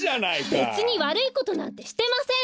べつにわるいことなんてしてません！